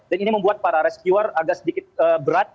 dan ini membuat para penyelamat agak sedikit berat